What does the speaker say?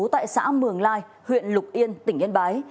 tại xã mường lai huyện lục yên tỉnh yên bái